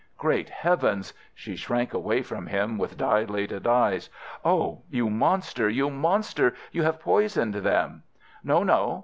"Great Heaven!" She shrank away from him with dilated eyes. "Oh, you monster! You monster! You have poisoned them!" "No, no!